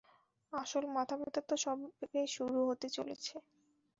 আসল মাথা ব্যাথা তো সবে শুরু হতে চলেছে।